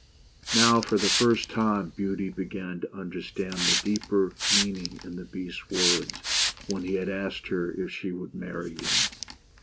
Now, for the first time, Beauty began to understand the deeper meaning in the Beast's words, when he had asked her if she would marry him.